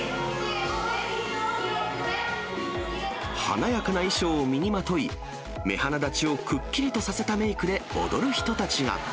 華やかな衣装を身にまとい、目鼻立ちをくっきりとさせたメークで、踊る人たちが。